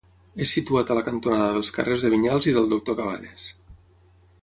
És situat a la cantonada dels carrers de Vinyals i del Doctor Cabanes.